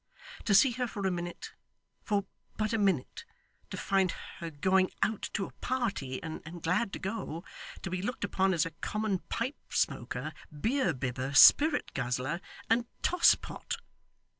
To see her for a minute for but a minute to find her going out to a party and glad to go; to be looked upon as a common pipe smoker, beer bibber, spirit guzzler, and tosspot!